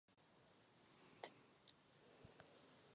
Duchovní správou spadá pod Římskokatolickou farnost Cvikov.